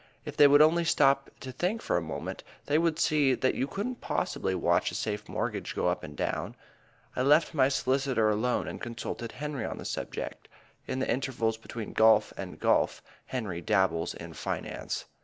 If they would only stop to think for a moment they would see that you couldn't possibly watch a safe mortgage go up and down. I left my solicitor alone and consulted Henry on the subject. In the intervals between golf and golf Henry dabbles in finance.